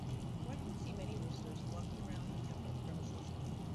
One can see many roosters flocking around the temple premises.